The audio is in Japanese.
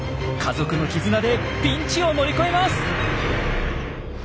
家族の絆でピンチを乗り越えます。